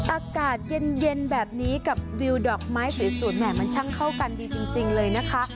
อากาศเย็นแบบนี้กับวิวดอกไม้สวยแหม่มันช่างเข้ากันดีจริงเลยนะคะ